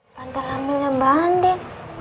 bantal hamilnya mbak andin